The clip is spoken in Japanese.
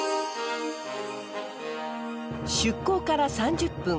出港から３０分。